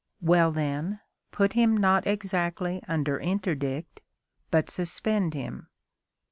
Well then, put him not exactly under interdict, but suspend him."